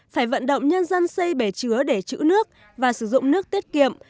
phải vận động nhân dân xây bể chứa để chữ nước và sử dụng nước tiết kiệm